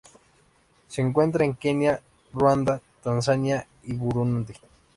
Se encuentra en Kenia, Ruanda, Tanzania y Burundi.